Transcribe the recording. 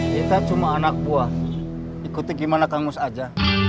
kita cuma anak buah ikuti gimana kangus aja